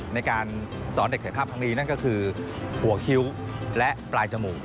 ในการสอนเด็กเห็นภาพครั้งนี้นั่นก็คือหัวคิ้วและปลายจมูก